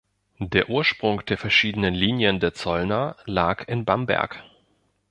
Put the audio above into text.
Der Ursprung der verschiedenen Linien der Zollner lag in Bamberg.